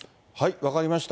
分かりました。